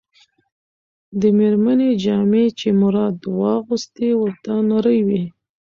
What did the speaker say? د مېرمنې جامې چې مراد واغوستې، ورته نرۍ وې.